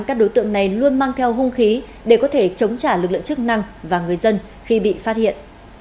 các đối tượng này luôn mang theo hung khí để có thể chống trả lực lượng chức năng và người dân khi bị phát hiện